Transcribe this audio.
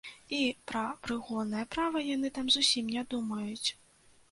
І пра прыгоннае права яны там зусім не думаюць.